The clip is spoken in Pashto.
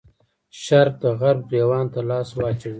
شرق د غرب ګرېوان ته لاس واچوي.